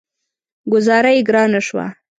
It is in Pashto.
ګوذاره يې ګرانه شوه.